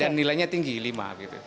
dan nilainya tinggi lima gitu